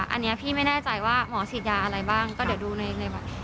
อันนี้พี่ไม่แน่ใจว่าหมอฉีดยาอะไรบ้างก็เดี๋ยวดูในแบบ